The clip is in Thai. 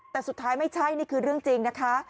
แต่สุดท้ายไม่ใช่นี่คือเรื่องจริงนะคะ